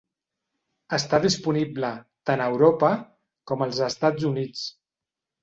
Està disponible tant a Europa com als Estats Units.